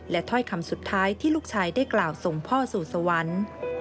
ถ้อยคำสุดท้ายที่ลูกชายได้กล่าวส่งพ่อสู่สวรรค์